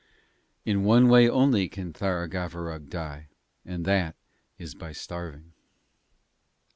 In one way only can Tharagavverug die, and that is by starving.'